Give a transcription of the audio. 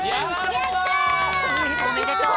おめでとう！